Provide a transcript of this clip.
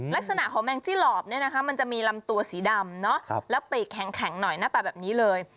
ลักษณะของแมงจี้หลอบเนี่ยนะคะมันจะมีลำตัวสีดำแล้วปีกแข็งหน่อยหน้าตาแบบนี้เลย